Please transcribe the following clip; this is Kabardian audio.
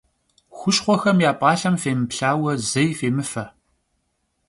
Хущхъуэхэм я пӏалъэм фемыплъауэ, зэи фемыфэ.